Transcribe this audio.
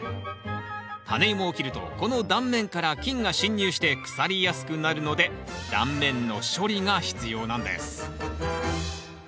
タネイモを切るとこの断面から菌が侵入して腐りやすくなるので断面の処理が必要なんです。